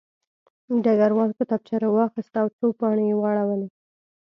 ډګروال کتابچه راواخیسته او څو پاڼې یې واړولې